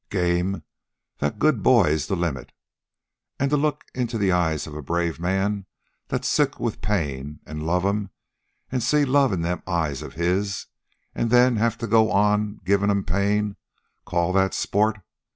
Game? That good boy's the limit. An' to look into the eyes of a brave man that's sick with pain, an' love 'm, an' see love in them eyes of his, an' then have to go on givin' 'm pain call that sport?